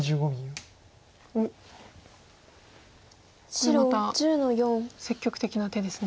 これまた積極的な手ですね。